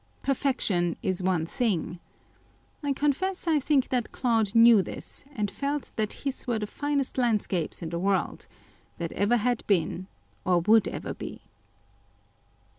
Perfection is one thing. I confess I think that Claude knew this, and felt that his were the finest landscapes in the world â€" that ever had been, or would ever be.